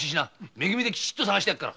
め組できちっと捜してやるから。